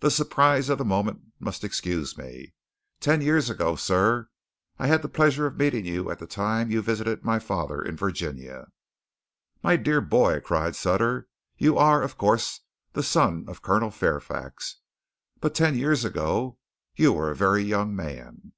"The surprise of the moment must excuse me. Ten years ago, sir, I had the pleasure of meeting you at the time you visited my father in Virginia." "My dear boy!" cried Sutter. "You are, of course the son of Colonel Fairfax. But ten years ago you were a very young man!"